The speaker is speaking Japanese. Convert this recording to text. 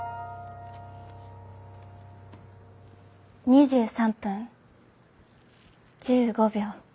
２３分１５秒。